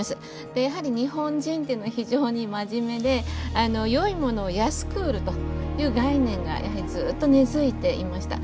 でやはり日本人っていうのは非常に真面目であのよいものを安く売るという概念がやはりずっと根づいていました。